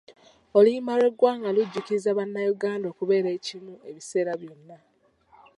Oluyimba lw'eggwanga lujjukiza bannayuganda okubeera ekimu ebiseera byonna.